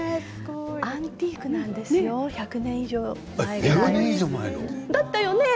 アンティークなんですよ１００年以上前のだったよね？